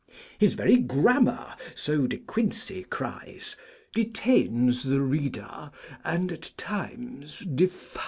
His very Grammar, so De Quincey cries, "Detains the Reader, and at times defies!"'